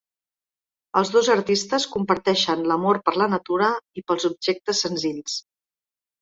Els dos artistes comparteixen l’amor per la natura i pels objectes senzills.